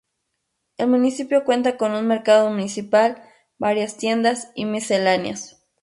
El municipio cuenta con un mercado municipal, varias tiendas y misceláneas.